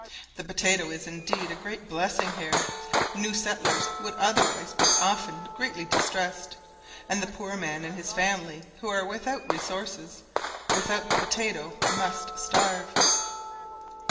The potatoe is indeed a great blessing here; new settlers would otherwise be often greatly distressed, and the poor man and his family who are without resources, without the potatoe must starve.